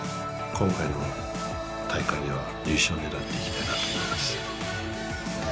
今回の大会では、優勝を狙っていきたいなと思います。